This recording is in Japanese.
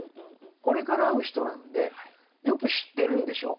これから会う人なんでよく知ってるんでしょ。